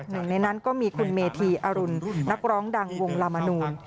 หนึ่งในนั้นก็มีคุณเมธีอรุณนักร้องดังวงลามนูล